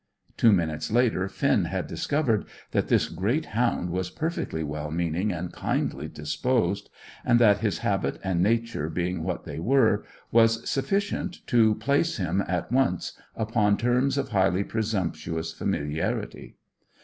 Two minutes later Finn had discovered that this great hound was perfectly well meaning and kindly disposed, and that, his habit and nature being what they were, was sufficient to place him at once upon terms of highly presumptuous familiarity.